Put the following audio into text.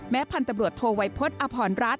แม้พันธบรวจโทวัยพศอพรรณรัฐ